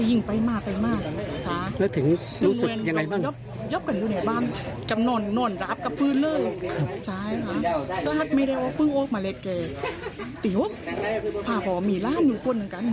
ผมบ่งไม้มีละงอยู่อสเตอร์กำลังแพร่ดี่ว่าลานไม่ได้เจิงเหรอ